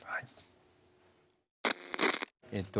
えっと